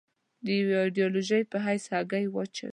د یوې ایدیالوژۍ په حیث هګۍ واچوي.